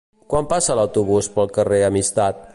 Quan passa l'autobús pel carrer Amistat?